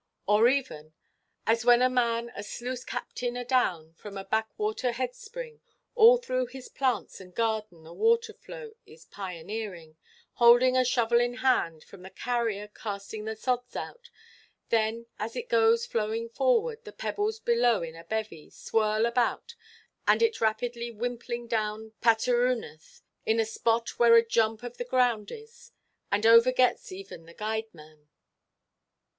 Or even, "As when a man, a sluice–captain, adown from a backwater headspring, All through his plants and garden a waterflow is pioneering, Holding a shovel in hand, from the carrier casting the sods out; Then as it goes flowing forward, the pebbles below in a bevy Swirl about, and it rapidly wimpling down paterooneth, In a spot where a jump of the ground is, and overgets even the guideman."